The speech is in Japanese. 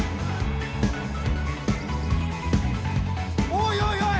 おいおいおい。